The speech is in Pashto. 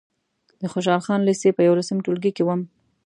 د خوشحال خان لېسې په یولسم ټولګي کې وم.